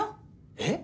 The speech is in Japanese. えっ？